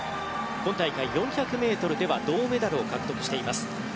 今大会、４００ｍで銅メダルを獲得しています。